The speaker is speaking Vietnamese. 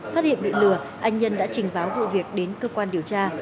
phát hiện bị lừa anh nhân đã trình báo vụ việc đến cơ quan điều tra